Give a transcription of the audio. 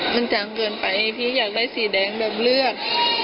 มันจังเกินไปพี่อยากได้สีแดงแบบเลือด